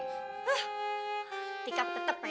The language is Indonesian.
hah tiket tetep pak haji